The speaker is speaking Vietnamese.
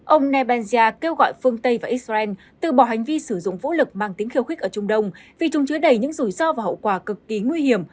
ông nebenzya kêu gọi phương tây và israel từ bỏ hành vi sử dụng vũ lực mang tính khiêu khích ở trung đông vì chúng chứa đầy những rủi ro và hậu quả cực kỳ nguy hiểm